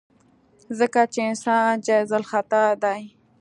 ځکه چې انسان جايزالخطا ديه.